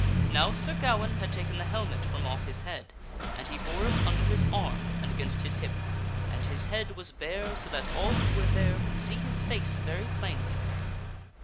Now, Sir Gawaine had taken the helmet from off his head, and he bore it under his arm and against his hip, and his head was bare so that all who were there could see his face very plainly.